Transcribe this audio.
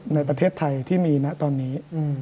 ในประเทศไทยที่มีนะตอนนี้